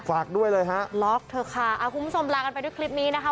ฝากด้วยเลยฮะล็อกเถอะค่ะอ่าคุณผู้ชมลากันไปด้วยคลิปนี้นะคะ